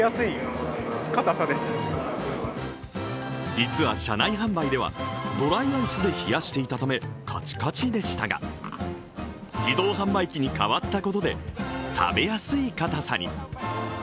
実は、車内販売ではドライアイスで冷やしていたためカチカチでしたが、自動販売機に変わったことで食べやすいかたさに。